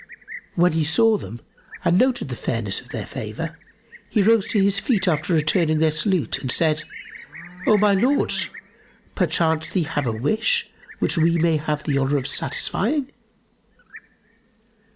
When he saw them and noted the fairness of their favour, he rose to his feet after returning their salute, and said, "O my lords, perchance ye have a wish which we may have the honour of satisfying?"